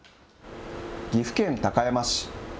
岐阜県高山市。